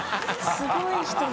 すごい人だ。